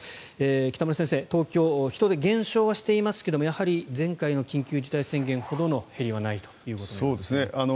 北村先生、東京人出が減少はしていますがやはり前回の緊急事態宣言ほどの減りはないということですね。